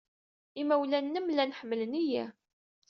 Imawlan-nnem llan ḥemmlen-iyi.